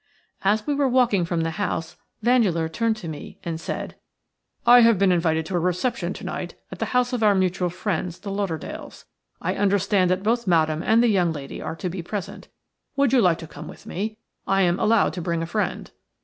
As we were walking from the house Vandeleur turned to me and said:– "I have been invited to a reception to night at the house of our mutual friends the Lauderdales. I understand that both Madame and the young lady are to be present. Would you like to come with me? I am allowed to bring a friend."